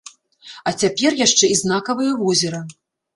А цяпер яшчэ і знакавае возера.